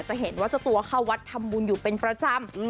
จะเห็นว่าเจ้าตัวเข้าวัดทำบุญอยู่เป็นประจำ